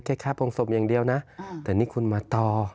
แค่ฆ่าพลงศพอย่างเดียวนะแต่อยู่ในนี้คุณมาต่อ